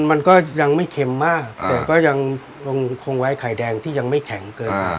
มันก็ยังไม่เค็มมากแต่ก็ยังคงไว้ไข่แดงที่ยังไม่แข็งเกินไป